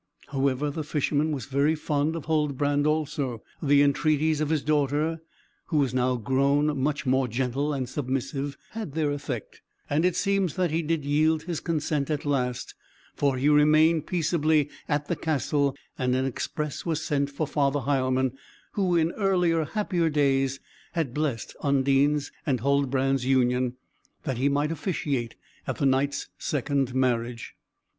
However, the Fisherman was very fond of Huldbrand also; the entreaties of his daughter, who was now grown much more gentle and submissive, had their effect, and it seems that he did yield his consent at last; for he remained peaceably at the castle, and an express was sent for Father Heilmann, who in earlier, happier days had blessed Undine's and Huldbrand's union, that he might officiate at the Knight's second marriage.